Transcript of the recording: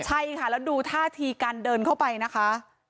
ใช่ค่ะแล้วดูท่าทีการเดินเข้าไปนะคะ